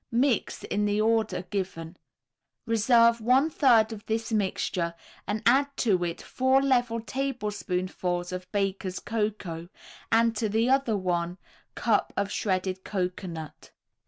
Mix in the order given. Reserve one third of this mixture and add to it four level tablespoonfuls of Baker's Cocoa and to the other one cup of shredded cocoanut.